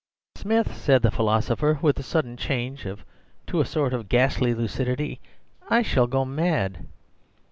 "'Smith,' said the philosopher with a sudden change to a sort of ghastly lucidity, 'I shall go mad.